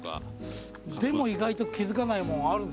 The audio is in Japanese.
でも意外と気付かないもんあるんだよね。